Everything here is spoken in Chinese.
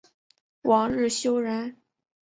王日休人。